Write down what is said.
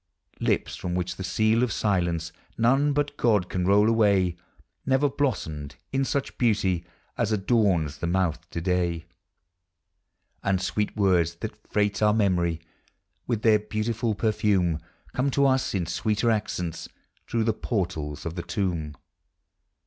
Lips from which the seal of silence None but (Jod can roll away Never blossomed in such beauty As adorns the mouth to day ; And sweet words that freight our memory With their beautiful perfume Come to us in sweeter accents Through the portals of the tomb.